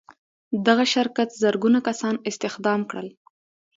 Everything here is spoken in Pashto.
دغه شرکت زرګونه کسان استخدام کړل.